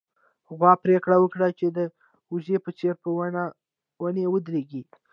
غوا پرېکړه وکړه چې د وزې په څېر په ونې ودرېږي.